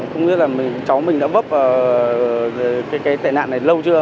không biết là cháu mình đã bóp cái tệ nạn này lâu chưa